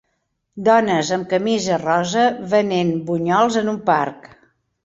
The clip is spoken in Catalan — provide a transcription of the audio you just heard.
dones amb camisa rosa venent bunyols en un parc.